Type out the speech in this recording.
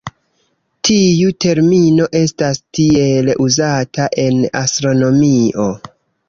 Tiu termino estas tiele uzata en astronomio.